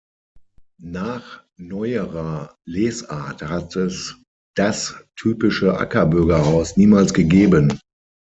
Nach neuerer Lesart hat es "das" typische Ackerbürgerhaus niemals gegeben.